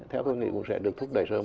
theo tôi nghĩ cũng sẽ được thúc đẩy sớm